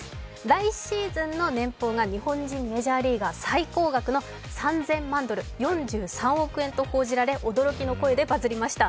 来シーズンの年俸が日本人メジャーリーガー最高額３０００万ドル、４３億円と報じられ驚きの声でバズりました。